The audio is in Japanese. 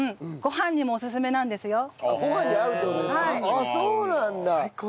あっそうなんだ！